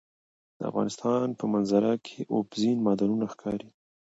د افغانستان په منظره کې اوبزین معدنونه ښکاره ده.